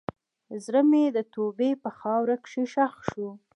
زړه مې د توبې په خاوره کې ښخ شو.